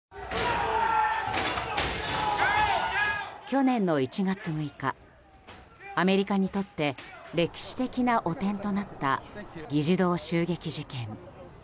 去年の１月６日アメリカにとって歴史的な汚点となった議事堂襲撃事件。